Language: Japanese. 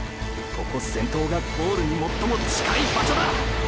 ここ先頭がゴールに最も近い場所だ！！